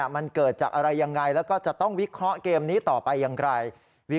มันเกิดจากอะไรยังไงแล้วก็จะต้องวิเคราะห์เกมนี้ต่อไปอย่างไร